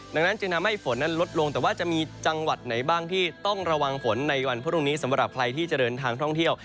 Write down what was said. ดังนั้นจึงทำให้ฝนนั้นลดลงแต่ว่าจะมีจังหวัดไหนบ้างที่ต้องระวังฝนในวันพรุ่งนี้สำหรับใครที่จะเดินทางท่องเที่ยว